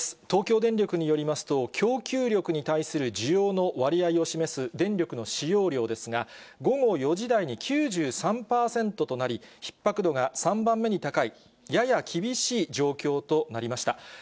東京電力によりますと、供給力に対する需要の割合を示す電力の使用量ですが、午後４時台に９３％となり、ひっ迫度が３番目に高い、やや厳しい状況となりました。